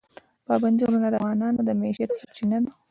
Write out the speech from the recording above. پابندی غرونه د افغانانو د معیشت سرچینه ده.